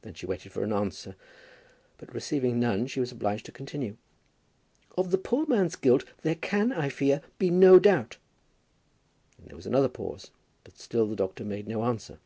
Then she waited for an answer, but receiving none she was obliged to continue. "Of the poor man's guilt there can, I fear, be no doubt." Then there was another pause, but still the doctor made no answer.